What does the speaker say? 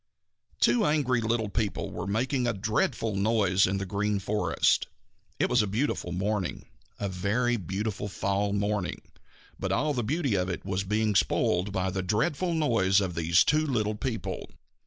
_ Two angry little people were making a dreadful noise in the Green Forest. It was a beautiful morning, a very beautiful fall morning, but all the beauty of it was being spoiled by the dreadful noise these two little people.